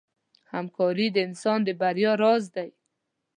همکاري د انسان د بریا راز دی.